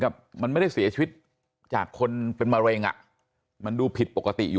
มันไม่ได้เสียชีวิตจากคนเป็นมะเร็งอ่ะมันดูผิดปกติอยู่